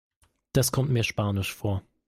Das kommt mir spanisch vor.